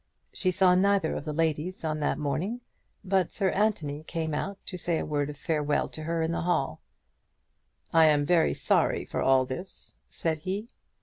She saw neither of the ladies on that morning, but Sir Anthony came out to say a word of farewell to her in the hall. "I am very sorry for all this," said he.